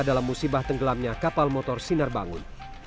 dalam musibah tenggelamnya kapal motor sinar bangun